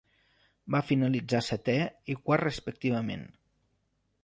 Va finalitzar setè i quart respectivament.